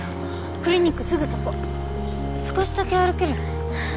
クリニックすぐそこ少しだけ歩ける？